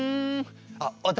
あっ私？